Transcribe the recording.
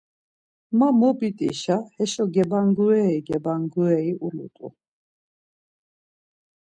Ma mobit̆işa heşo gebangureri gebangureri ulut̆u.